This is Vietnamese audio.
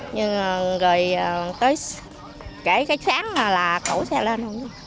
nhưng rồi tới cái sáng là cổ xe lên